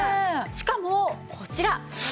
しかもこちら。